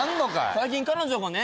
最近彼女がね